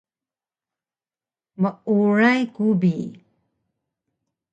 Meuray ku bi